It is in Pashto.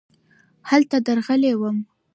هلته درغلی وم .